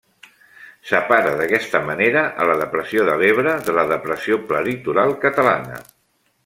Separa d'aquesta manera la Depressió de l'Ebre de la Depressió Prelitoral Catalana.